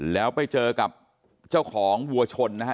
แล้วไปเจอกับเจ้าของวัวชนนะฮะ